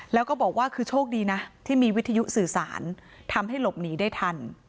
แล้วก็บอกว่าคือโชคดีนะที่มีวิทยุสื่อสารทำให้หลบหนีได้ทัน